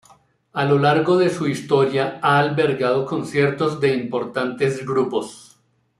A lo largo de su historia ha albergado conciertos de importantes grupos.